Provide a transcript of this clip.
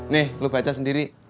nih lu baca sendiri